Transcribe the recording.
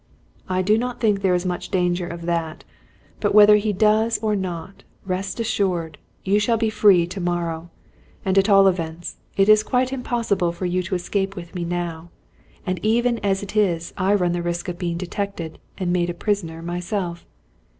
"I do not think there is much danger of that, but whether he does or not, rest assured you shall be free to morrow! At all events, it is quite impossible for you to escape with me now; and even as it is, I run the risk of being detected, and made a prisoner, myself.